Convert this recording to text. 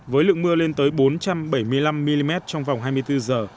với lượng mưa lên tới bốn trăm bảy mươi năm mm trong vòng hai mươi bốn giờ